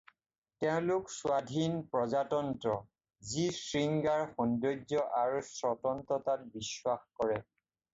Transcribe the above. তেওঁলোক স্বাধীন প্ৰজাতন্ত্ৰ যি শৃংগাৰ, সৌন্দৰ্য আৰু স্বতন্ত্ৰতাত বিশ্বাস কৰে।